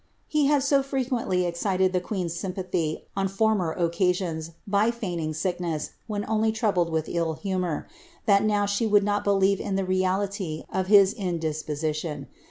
He had so frequency eicited the queen's sympathy on former oca siuns by feigning sickness when only troubled with ill'humour, that no* ehe would not believe in the reality of his in dia position.